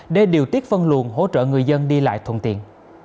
để điều tiết phân luồn hỗ trợ người dân đi lại thuận tiện